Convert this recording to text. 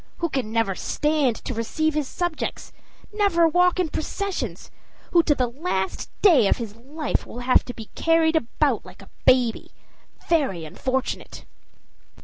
who can never stand to receive his subjects, never walk in processions, who to the last day of his life will have to be carried about like a baby. Very unfortunate!"